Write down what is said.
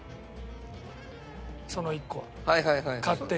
その１個は。